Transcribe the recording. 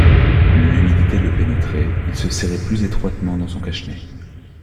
L’humidité le pénétrait, il se serrait plus étroitement dans son cache-nez.